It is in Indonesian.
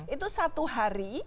itu satu hari